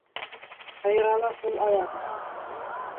Ҡыйрала ҡул-аяғың.